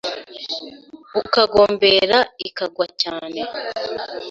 Ukagombera ikagwa cyane